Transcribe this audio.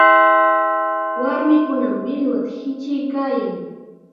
Warmikunam millwata hichiykaayan.